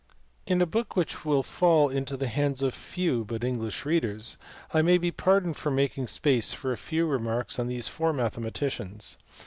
In a book which will fall into the hands of few but English readers I may be pardoned for making space for a few 446 WOODHOUSE. remarks on these four mathematicians*.